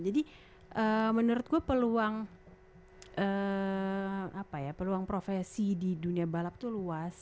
jadi menurut gue peluang peluang profesi di dunia balap tuh luas